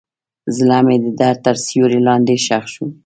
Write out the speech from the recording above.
زړه مې د درد تر سیوري لاندې ښخ شو.